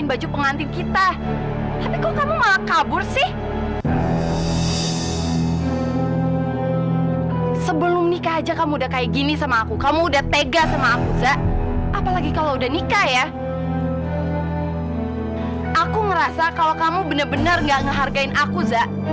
aku ngerasa kalo kamu bener bener gak ngehargain aku za